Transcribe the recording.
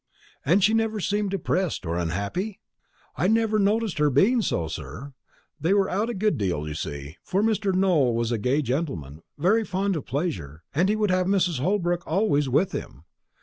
"And she never seemed depressed or unhappy?" "I never noticed her being so, sir. They were out a good deal, you see; for Mr. Nowell was a gay gentleman, very fond of pleasure, and he would have Mrs. Holbrook always with him.